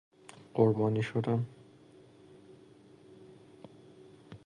قربانی شدن